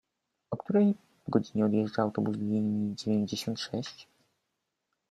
O której godzinie odjeżdża autobus linii dziewięćdziesiąt sześć?